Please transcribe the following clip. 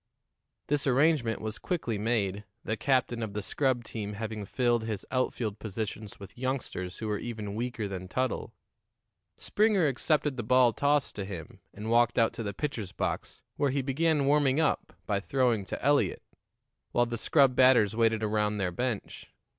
This arrangement was quickly made, the captain of the scrub team having filled his outfield positions with youngsters who were even weaker than Tuttle. Springer accepted the ball tossed to him, and walked out to the pitcher's box, where he began warming up by throwing to Eliot, while the scrub batters waited around their bench.